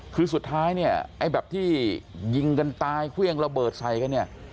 คือสุดท้ายเนี่ยไอ้แบบที่ยิงกันตายเครื่องระเบิดใส่กันเนี่ย